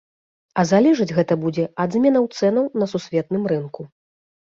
А залежыць гэта будзе ад зменаў цэнаў на сусветным рынку.